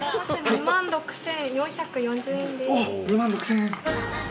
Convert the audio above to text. ２万６，０００円。